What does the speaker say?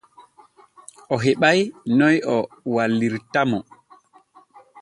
O heɓa'i noy o wallirta mo.